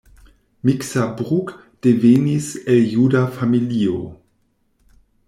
Miksa Bruck devenis el juda familio.